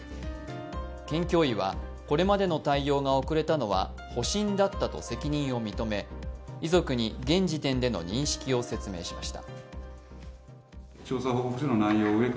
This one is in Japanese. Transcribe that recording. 県教委はこれまでの対応が遅れたのは保身だったと責任を認め、遺族に現時点での認識を説明しました。